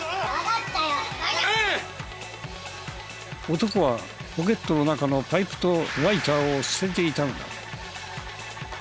男はポケットの中のパイプとライターを捨てていたのだ。